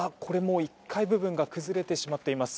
１階部分が崩れてしまっています。